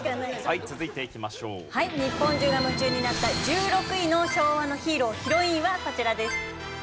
日本中が夢中になった１６位の昭和のヒーロー＆ヒロインはこちらです。